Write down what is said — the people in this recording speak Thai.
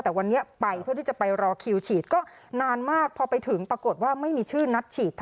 แต่วันนี้ไปเพื่อที่จะไปรอคิวฉีดก็นานมากพอไปถึงปรากฏว่าไม่มีชื่อนัดฉีด